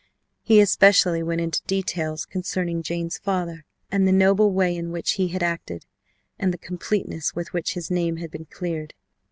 He especially went into details concerning Jane's father and the noble way in which he had acted, and the completeness with which his name had been cleared.